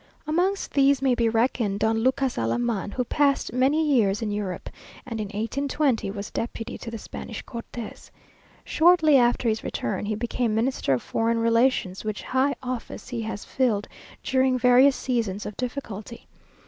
Amongst these may be reckoned Don Lucas Alaman, who passed many years in Europe, and in 1820 was deputy to the Spanish Cortes. Shortly after his return he became Minister of foreign relations, which high office he has filled during various seasons of difficulty.